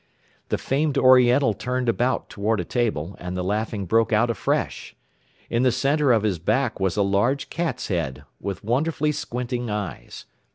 The famed Oriental turned about toward a table, and the laughing broke out afresh. In the center of his back was a large cat's head, with wonderfully squinting eyes.